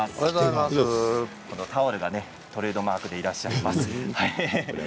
タオルがトレードマークでいらっしゃいます。